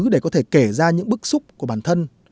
để có thể kể ra những bức xúc của bản thân